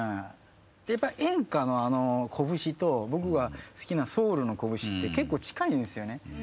やっぱり演歌のあのこぶしと僕が好きなソウルのこぶしって結構近いんですよね。